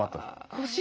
欲しい！